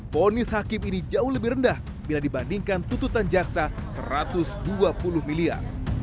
fonis hakim ini jauh lebih rendah bila dibandingkan tututan jaksa satu ratus dua puluh miliar